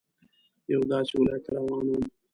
یوه داسې ولايت ته روان وم.